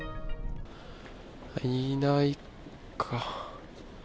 いないか。